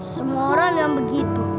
sama orang yang begitu